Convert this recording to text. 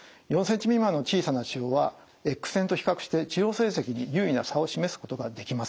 ４ｃｍ未満の小さな腫瘍はＸ線と比較して治療成績に優位な差を示すことができませんでした。